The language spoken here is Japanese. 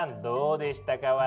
どうでしたか？